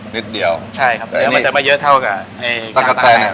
นิดเดียวใช่ครับเนื้อมันจะมาเยอะเท่ากับกั้งตะแตน